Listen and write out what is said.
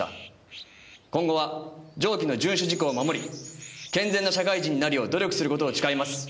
「今後は上記の遵守事項を守り健全な社会人になるよう努力することを誓います」